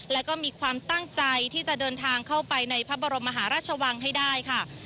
และก็มีความตั้งใจที่จะเดินทางเข้าไปในพระบรมมหาราชวังให้ได้ค่ะ